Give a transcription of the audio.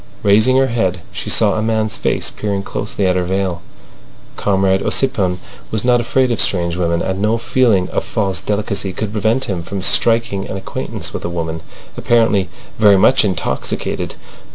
Raising her head, she saw a man's face peering closely at her veil. Comrade Ossipon was not afraid of strange women, and no feeling of false delicacy could prevent him from striking an acquaintance with a woman apparently very much intoxicated.